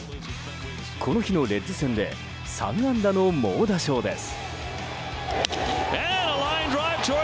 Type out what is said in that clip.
この日のレッズ戦で３安打の猛打賞です。